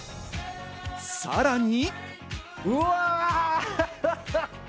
さらに。